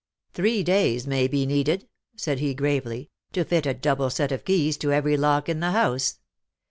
" Three days may be needed," said he, gravely, " to fit a double set of keys to every lock in the house.